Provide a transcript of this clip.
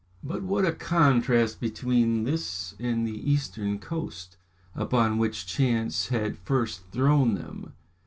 But what a contrast between this and the eastern coast, upon which chance had first thrown them.